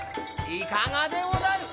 いかがでござる？